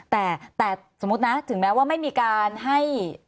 แต่สมมุตินะถึงแม้ว่าไม่มีการให้